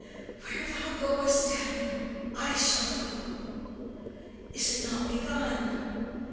Where thou goest, Daniel, I shall go. Is it not begun?